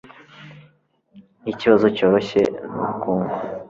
Nkikibazo cyoroshye nubukungu